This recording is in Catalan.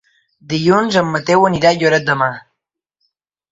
Dilluns en Mateu anirà a Lloret de Mar.